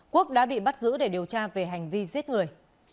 quốc đã bị bắt giữ để điều tra về hành vi giết người